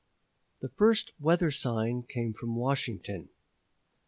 The first weather sign came from Washington.